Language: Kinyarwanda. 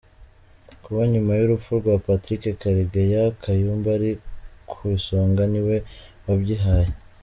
Kuba nyuma y’urupfu rwa Patrick Karegeya, Kayumba ari ku isonga niwe wabyihaye?